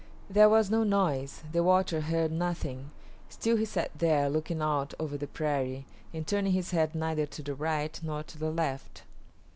There was no noise, the watcher heard nothing; still he sat there, looking out over the prairie, and turning his head neither to the right nor the left.